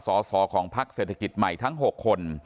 สอสอของพักเศรษฐกิจใหม่ทั้ง๖คน